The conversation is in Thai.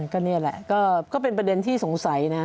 ก็นี่แหละก็เป็นประเด็นที่สงสัยนะ